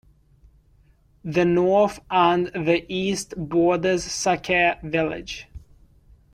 The north and the east borders Sakae village.